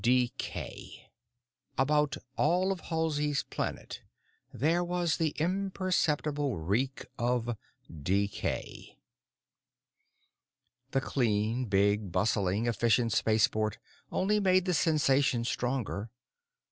Decay. About all of Halsey's Planet there was the imperceptible reek of decay. The clean, big, bustling, efficient spaceport only made the sensation stronger.